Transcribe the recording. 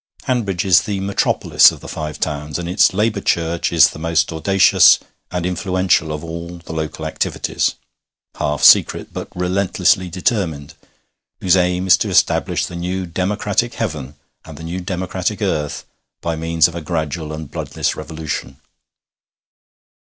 Hanbridge is the metropolis of the Five Towns, and its Labour Church is the most audacious and influential of all the local activities, half secret, but relentlessly determined, whose aim is to establish the new democratic heaven and the new democratic earth by means of a gradual and bloodless revolution.